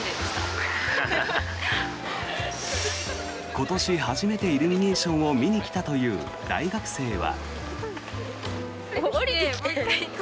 今年初めてイルミネーションを見に来たという大学生は。